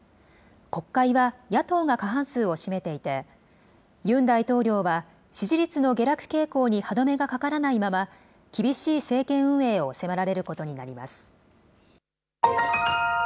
国会は野党が過半数を占めていて、ユン大統領は、支持率の下落傾向に歯止めがかからないまま、厳しい政権運営を迫られることになります。